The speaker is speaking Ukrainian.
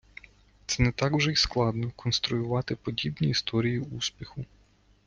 Не так вже й складно конструювати подібні історії успіху.